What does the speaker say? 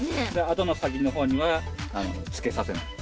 あとの先の方にはつけさせない。